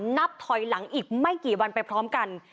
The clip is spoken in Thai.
นับถอยหลังอีกไม่กี่วันไปพร้อมกัน